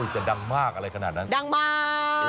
จะดังมากอะไรขนาดนั้นดังมาก